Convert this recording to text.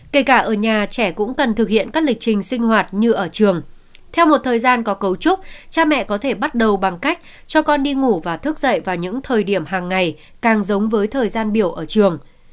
kể cả ở nhà trẻ cũng cần thực hiện các lịch trình sinh hoạt như ở trường theo một thời gian có cấu trúc cha mẹ có thể bắt đầu bằng cách cho con đi ngủ và thức dậy vào những thời điểm hàng ngày càng giống với thời gian biểu ở trường